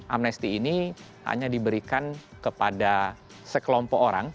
amnesti ini hanya diberikan kepada sekelompok orang